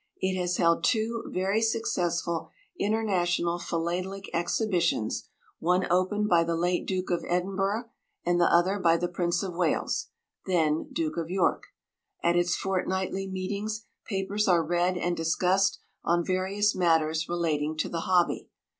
It has held two very successful International Philatelic Exhibitions, one opened by the late Duke of Edinburgh and the other by the Prince of Wales, then Duke of York. At its fortnightly meetings, papers are read and discussed on various matters relating to the hobby.